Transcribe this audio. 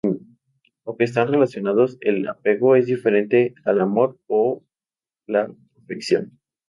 Aunque están relacionados, el apego es diferente al amor o la afección.